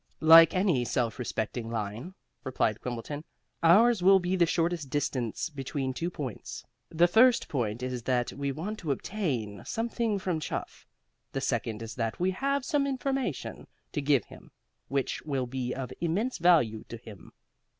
"Like any self respecting line," replied Quimbleton, "Ours will be the shortest distance between two points. The first point is that we want to obtain something from Chuff. The second is that we have some information to give him which will be of immense value to him.